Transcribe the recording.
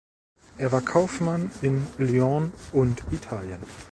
Er war Kaufmann in Lyon und Italien.